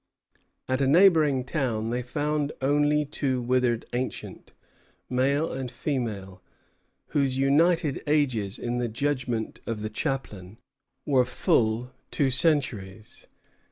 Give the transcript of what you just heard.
At a neighboring town they found only two withered ancients, male and female, whose united ages, in the judgment of the chaplain, were full two centuries.